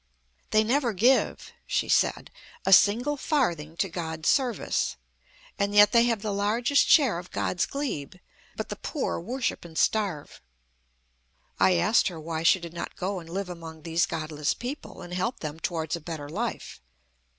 "They never give," she said, "a single farthing to God's service; and yet they have the largest share of God's glebe. But the poor worship and starve." I asked her why she did not go and live among these godless people, and help them towards a better life.